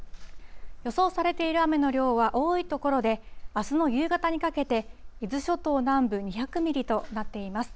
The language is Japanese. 予想されている雨の量は多い所であすの夕方にかけて伊豆諸島南部２００ミリとなっています。